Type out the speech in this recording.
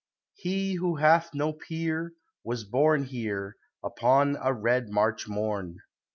He, who hath no peer, was born Here, upon a red March morn.